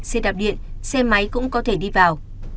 xe đạp điện xe máy cũng có thể đi vào